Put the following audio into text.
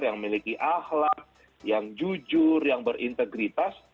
yang memiliki ahlak yang jujur yang berintegritas